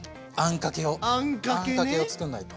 あんかけをつくんないと。